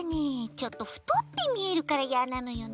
ちょっとふとってみえるからいやなのよね。